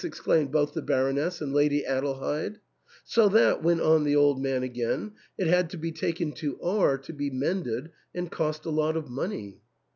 " exclaimed both the Baroness and Lady Adelheid) — "so that," went on the old man again, "it had to be taken to R to be mended, and cost a lot of money."